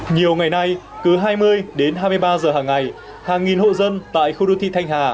nhiều ngày nay cứ hai mươi đến hai mươi ba giờ hàng ngày hàng nghìn hộ dân tại khu đô thị thanh hà